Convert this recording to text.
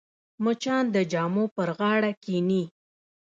مچان د جامو پر غاړه کښېني